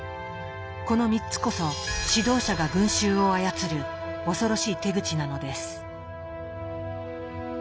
この３つこそ指導者が群衆を操る恐ろしい手口なのです。